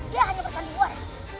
dia hanya bersandiwar